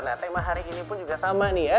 nah tema hari ini pun juga sama nih ya